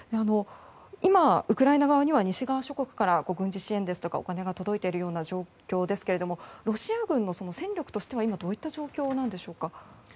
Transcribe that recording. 今、ウクライナ側には西側諸国から軍事支援やお金が届いている状況ですけどもロシア軍の戦力としては今どういった状況なんでしょうか。